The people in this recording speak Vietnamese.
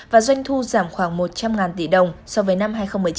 và doanh thu giảm khoảng một trăm linh tỷ đồng so với năm hai nghìn một mươi chín